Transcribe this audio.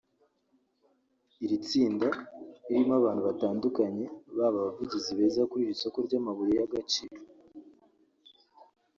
“Iri tsinda ririmo abantu batandukanye baba abavugizi beza kuri iri soko ry’amabuye y’agaciro